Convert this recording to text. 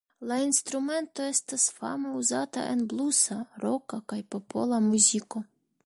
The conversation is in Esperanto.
La instrumento estas fame uzata en blusa, roka, kaj popola muziko.